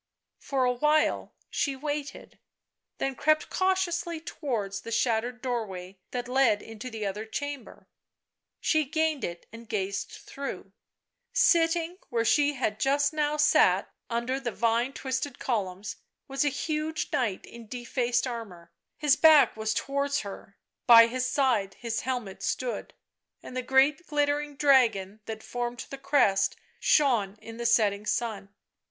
For a while she waited, then crept cautiously towards the shattered doorway that led into the other chamber. She gained it and gazed through. Sitting where she had just now sat, under the vine twisted columns, was a huge knight in defaced armour; his back was towards her; by his side his helmet stood, and the great glittering dragon that formed the crest Digitized by UNIVERSITY OF MICHIGAN Original from UNIVERSITY OF MICHIGAN BLACK MAGIC 239 shone in the setting sun.